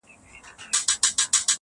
نور د نورو لېوني دې کبرجنې~